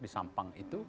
di sampang itu